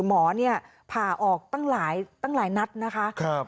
หมอนี่ผ่าออกตั้งหลายนัดนะคะ